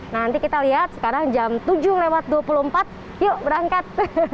nanti kita lihat sekarang jam tujuh lewat dua puluh empat yuk berangkat